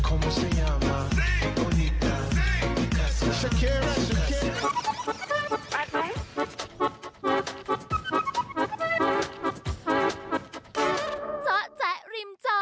ของมันสัญญามากเป็นกว่าดีต่างสุขีรสุขีร